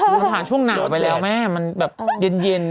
มันผ่านช่วงหนาวไปแล้วแม่มันแบบเย็น